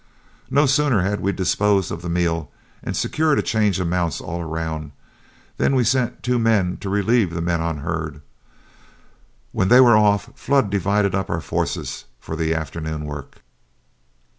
No sooner had we disposed of the meal and secured a change of mounts all round, than we sent two men to relieve the men on herd. When they were off, Flood divided up our forces for the afternoon work.